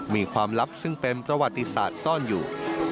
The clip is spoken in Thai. มีความลับซึ่งเป็นประวัติศาสตร์ซ่อนอยู่